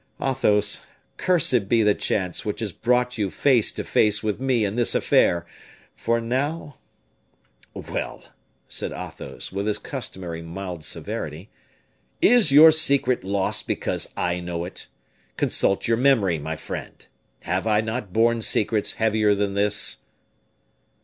Athos, cursed be the chance which has brought you face to face with me in this affair! for now " "Well," said Athos, with his customary mild severity, "is your secret lost because I know it? Consult your memory, my friend. Have I not borne secrets heavier than this?"